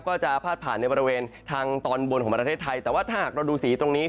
ก็จะพาดผ่านในบริเวณทางตอนบนของประเทศไทยแต่ว่าถ้าหากเราดูสีตรงนี้